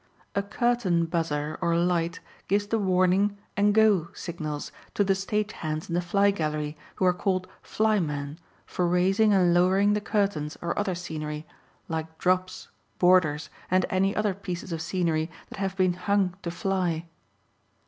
A curtain buzzer or light gives the "warning" and "go" signals to the stage hands in the fly gallery who are called "flymen," for raising and lowering the curtains or other scenery, like "drops," "borders," and any other pieces of scenery that have been "hung" to fly.